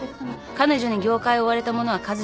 彼女に業界を追われた者は数知れない。